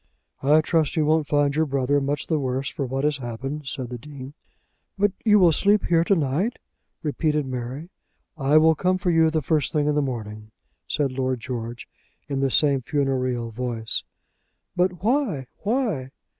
"I trust you won't find your brother much the worse for what has happened," said the Dean. "But you will sleep here to night," repeated Mary. "I will come for you the first thing in the morning," said Lord George in the same funereal voice. "But why; why?"